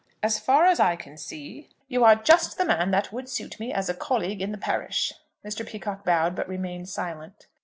As far as I can see, you are just the man that would suit me as a colleague in the parish." Mr. Peacocke bowed, but remained silent.